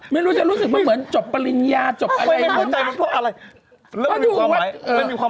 มันเกี่ยวอะไรวะ